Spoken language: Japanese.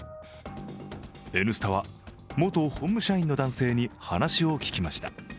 「Ｎスタ」は元本部社員の男性に話を聞きました。